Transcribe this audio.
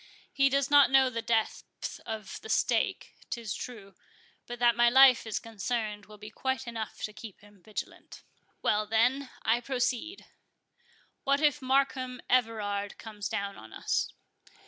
He does not know the depth of the stake, 'tis true, but that my life is concerned will be quite enough to keep him vigilant.—Well, then, I proceed:—What if Markham Everard comes down on us?"